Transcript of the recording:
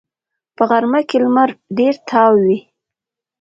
په غرمه کې لمر ډېر تاو وي